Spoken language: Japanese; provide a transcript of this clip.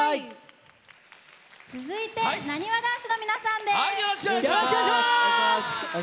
続いてなにわ男子の皆さんです。